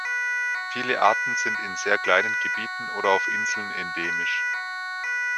Viele Arten sind in sehr kleinen Gebieten oder auf Inseln endemisch.